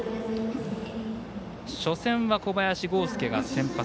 初戦は小林剛介が先発。